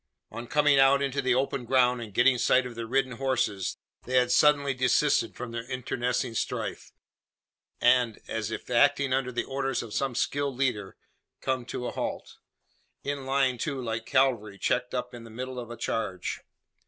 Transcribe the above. On coming out into the open ground, and getting sight of the ridden horses, they had suddenly desisted from their internecine strife; and, as if acting under the orders of some skilled leader, come to a halt. In line, too, like cavalry checked up in the middle of a charge!